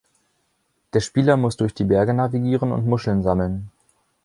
Der Spieler muss durch die Berge navigieren und Muscheln sammeln.